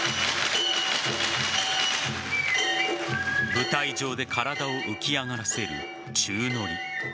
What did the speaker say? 舞台上で体を浮き上がらせる宙乗り。